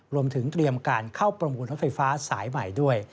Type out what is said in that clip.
รวมถึงเตรียมการเข้าประมูลรถไฟฟ้าสายใหม่ด้วย